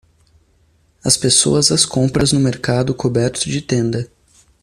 As pessoas às compras no mercado coberto de tenda.